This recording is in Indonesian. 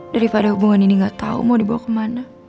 daripada hubungan ini gak tahu mau dibawa kemana